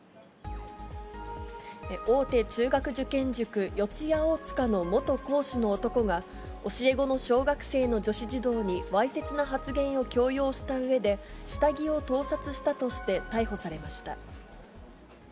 大手中学受験塾、四谷大塚の元講師の男が、教え子の小学生の女子児童に、わいせつな発言を強要したうえで、下着を盗撮したとして逮捕されました。